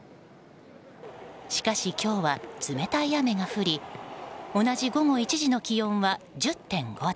しかし今日は、冷たい雨が降り同じ午後１時の気温は１０．５度。